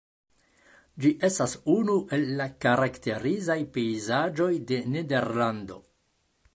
Ĝi estas unu el la karakterizaj pejzaĝoj de Nederlando.